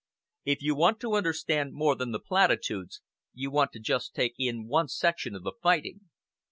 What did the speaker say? If you want to understand more than the platitudes, you want to just take in one section of the fighting.